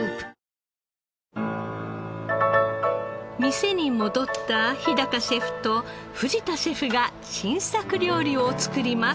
店に戻った日シェフと藤田シェフが新作料理を作ります。